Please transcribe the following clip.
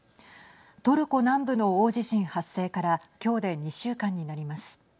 トルコ南部の大地震発生から今日で２週間になります。